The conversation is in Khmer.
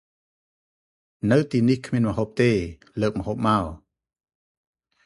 នៅទីនេះ គ្មានម្ហូបទេ លើកម្ហូបមោ ។